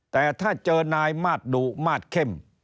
แต่ถ้าเจอนายมาสดุมาตรเข้ม